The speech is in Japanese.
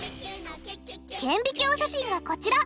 顕微鏡写真がこちら！